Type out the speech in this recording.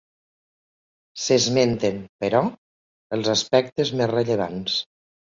S'esmenten, però, els aspectes més rellevants.